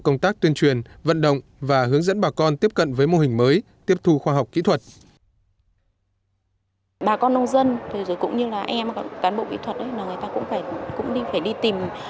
công tác tuyên truyền vận động và hướng dẫn bà con tiếp cận với mô hình mới tiếp thu khoa học kỹ thuật